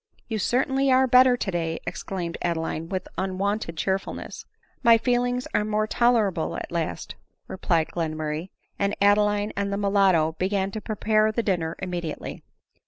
"You certainly are better today," exclaimed Adeline with unwonted cheerfulness. " My feelings are more tolerable, atleast," replied Glen murray ; and Adeline and the mulatto began to prepare the dinner immediately.